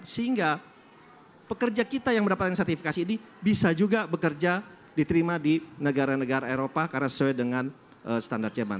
sehingga pekerja kita yang mendapatkan sertifikasi ini bisa juga bekerja diterima di negara negara eropa karena sesuai dengan standar jerman